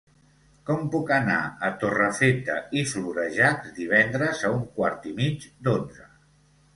Com puc anar a Torrefeta i Florejacs divendres a un quart i mig d'onze?